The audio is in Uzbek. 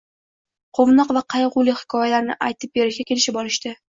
quvnoq va qaygʻuli hikoyalarni aytib berishga kelishib olishdi.